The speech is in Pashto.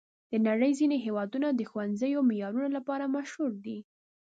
د نړۍ ځینې هېوادونه د ښوونیزو معیارونو لپاره مشهور دي.